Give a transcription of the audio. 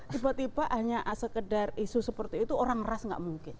tiba tiba hanya sekedar isu seperti itu orang ras nggak mungkin